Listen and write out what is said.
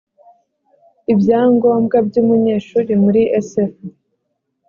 ibyangombwa by umunyeshuri muri sfb